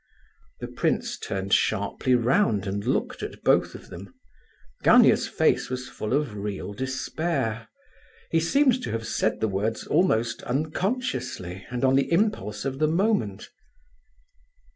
The prince turned sharply round and looked at both of them. Gania's face was full of real despair; he seemed to have said the words almost unconsciously and on the impulse of the moment.